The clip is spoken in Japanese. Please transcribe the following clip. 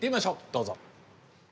どうぞ！